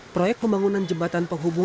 proyek pembangunan jembatan penghubung